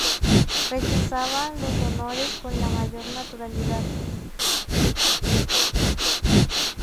Rechazaba los honores con la mayor naturalidad.